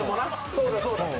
そうだそうだ。